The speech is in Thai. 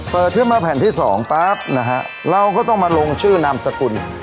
ขึ้นมาแผ่นที่๒ปั๊บนะฮะเราก็ต้องมาลงชื่อนามสกุล